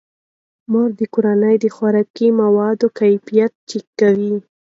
مور د کورنۍ د خوراکي موادو کیفیت چک کوي.